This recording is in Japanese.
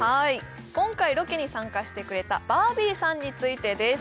今回ロケに参加してくれたバービーさんについてです